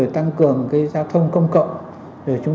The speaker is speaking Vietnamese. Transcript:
tăng cường giao thông công cộng